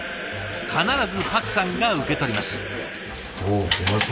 必ずパクさんが受け取ります。